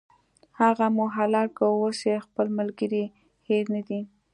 هغه مو حلال کړ، اوس یې خپل ملګری هېر نه دی.